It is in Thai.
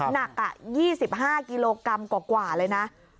หนัก๒๕กิโลกรัมกว่าเลยนะ